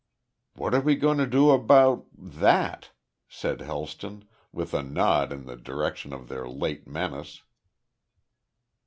"What are we going to do about that?" said Helston, with a nod in the direction of their late menace.